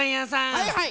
はいはい。